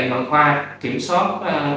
bằng khoa kiểm soát